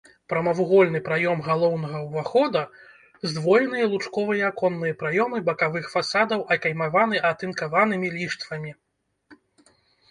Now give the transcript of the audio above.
Прамавугольны праём галоўнага ўвахода, здвоеныя лучковыя аконныя праёмы бакавых фасадаў акаймаваны атынкаванымі ліштвамі.